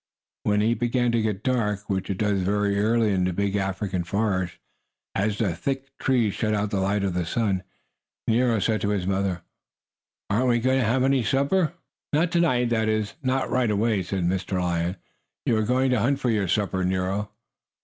When it began to get dark, which it does very early in the big African forest, as the thick trees shut out the light of the sun, Nero said to his mother: "Aren't we going to have any supper?" "Not to night that is, not right away," said Mr. Lion. "You are going to hunt for your supper, Nero."